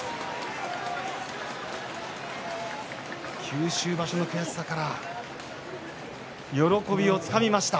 九州場所の悔しさから喜びをつかみました。